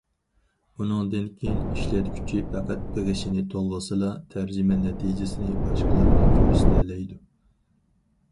ئۇنىڭدىن كېيىن، ئىشلەتكۈچى پەقەت بېغىشىنى تولغىسىلا، تەرجىمە نەتىجىسىنى باشقىلارغا كۆرسىتەلەيدۇ.